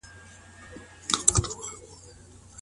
حقوقو پوهنځۍ له پامه نه غورځول کیږي.